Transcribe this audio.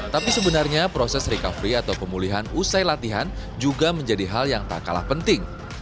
tapi sebenarnya proses recovery atau pemulihan usai latihan juga menjadi hal yang tak kalah penting